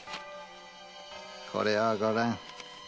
これをごらん。